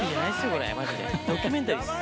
これマジでドキュメンタリーです。